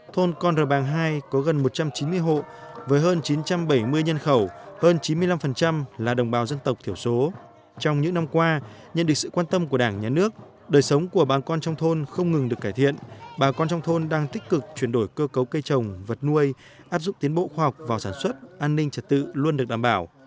trong bảy mươi nhân khẩu hơn chín mươi năm là đồng bào dân tộc thiểu số trong những năm qua nhận được sự quan tâm của đảng nhà nước đời sống của bà con trong thôn không ngừng được cải thiện bà con trong thôn đang tích cực chuyển đổi cơ cấu cây trồng vật nuôi áp dụng tiến bộ khoa học vào sản xuất an ninh trật tự luôn được đảm bảo